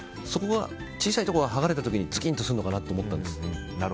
小さいところがはがれた時にズキンとするのかなと思ったんです。